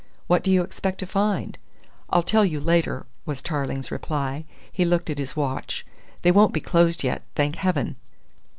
"What do you expect to find?" "I'll tell you later," was Tarling's reply. He looked at his watch. "They won't be closed yet, thank heaven!"